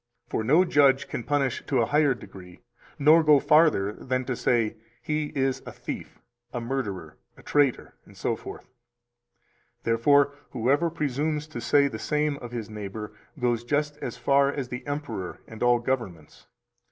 For no judge can punish to a higher degree nor go farther than to say: "He is a thief, a murderer, a traitor," etc. Therefore, whoever presumes to say the same of his neighbor goes just as far as the emperor and all governments.